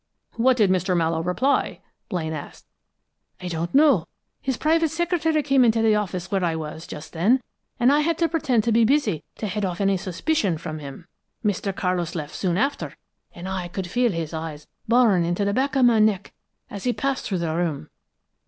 '" "What did Mr. Mallowe reply?" Blaine asked. "I don't know. His private secretary came into the office where I was just then, and I had to pretend to be busy to head off any suspicion from him. Mr. Carlis left soon after, and I could feel his eyes boring into the back of my neck as he passed through the room.